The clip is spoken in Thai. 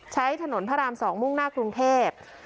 ใช้ถนนพระราม๒มุ่งหน้ากรุงเทพ